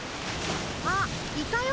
あいたよ。